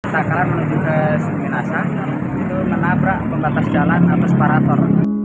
kita sekarang menuju ke suminasa itu menabrak pembatas jalan atau separator